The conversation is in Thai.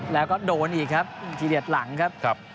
แล้วก็โดนอีกครับทีเด็ดหลังครับ